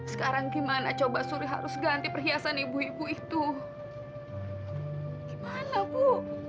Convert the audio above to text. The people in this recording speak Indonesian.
sekarang gimana coba suri harus ganti perhiasan ibu ibu itu gimana bu